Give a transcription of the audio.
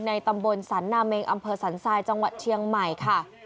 ตำบลสันนาเมงอำเภอสันทรายจังหวัดเชียงใหม่ค่ะ